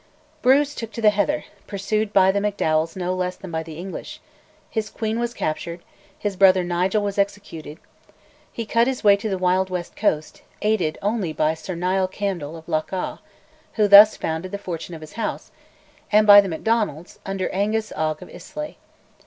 Bruce took to the heather, pursued by the Macdowals no less than by the English; his queen was captured, his brother Nigel was executed; he cut his way to the wild west coast, aided only by Sir Nial Campbell of Loch Awe, who thus founded the fortune of his house, and by the Macdonalds, under Angus Og of Islay.